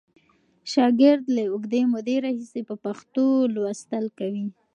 شاګرد له اوږدې مودې راهیسې په پښتو لوستل کوي.